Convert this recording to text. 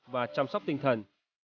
và chăm sóc tinh thần